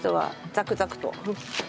ザクザクと。